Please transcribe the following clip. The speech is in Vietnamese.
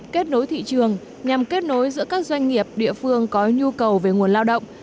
kết nối thị trường nhằm kết nối giữa các doanh nghiệp địa phương có nhu cầu về nguồn lao động